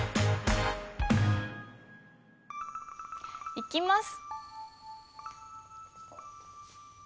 いきます！